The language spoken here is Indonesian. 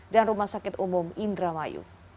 dan rumah sakit umum indramayu